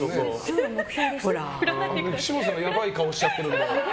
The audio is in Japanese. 岸本さんやばい顔しちゃってる。